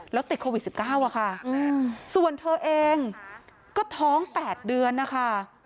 แล้วติดโควิด๑๙อะค่ะส่วนเธอเองก็ท้อง๘เดือนนะคะ